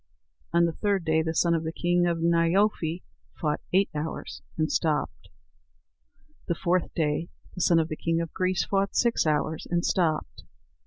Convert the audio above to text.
On the third day the son of the king of Nyerfói fought eight hours, and stopped. The fourth day the son of the king of Greece fought six hours, and stopped.